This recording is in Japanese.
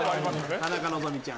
田中希実ちゃん。